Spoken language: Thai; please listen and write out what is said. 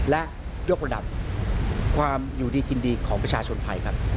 และยกระดับความอยู่ดีกินดีของประชาชนไทยครับ